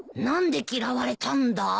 何で嫌われたんだ？